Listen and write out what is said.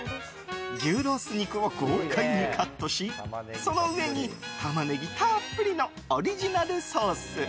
牛ロース肉を豪快にカットしその上に、タマネギたっぷりのオリジナルソース。